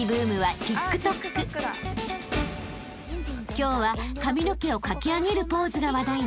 ［今日は髪の毛をかき上げるポーズが話題の］